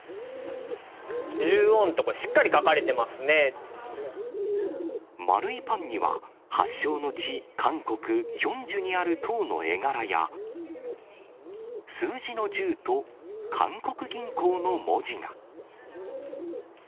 １０ウォンと、しっかり書か丸いパンには、発祥の地、韓国・キョンジュにある塔の絵柄や、数字の１０と韓国銀行の文字が。